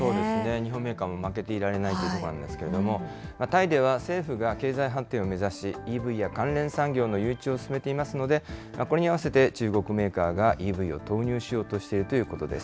日本メーカーも負けていられないというところなんですけれども、タイでは政府が経済発展を目指し、ＥＶや関連産業の誘致を進めていますので、これに合わせて中国メーカーがＥＶを投入しようとしているということです。